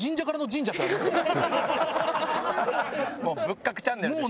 もう仏閣チャンネルでした。